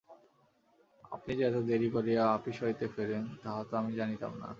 আপনি যে এত দেরি করিয়া আপিস হইতে ফেরেন তাহা তো আমি জানিতাম না।